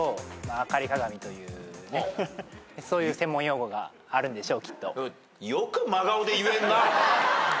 そういう専門用語があるんでしょうきっと。